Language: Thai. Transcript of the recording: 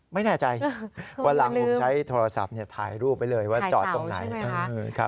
ไม่แน่ใจวันหลังผมใช้โทรศัพท์ถ่ายรูปไว้เลยว่าจอดตรงไหน